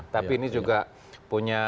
tapi ini juga punya